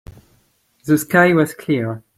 The sky was clear.